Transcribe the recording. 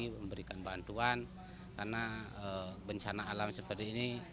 memberikan bantuan karena bencana alam seperti ini